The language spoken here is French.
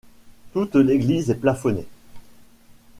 Toute l'église est plafonnée.